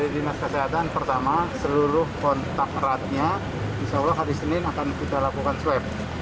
dinas kesehatan pertama seluruh kontak eratnya insya allah hari senin akan kita lakukan swab